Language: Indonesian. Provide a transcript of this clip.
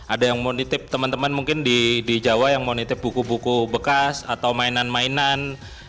ada yang mau nitip teman teman mungkin di jawa yang mau nitip buku buku bekas atau mainan mainan